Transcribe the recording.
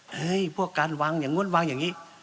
ให้พวกการวางอย่างนู้นวางอย่างนี้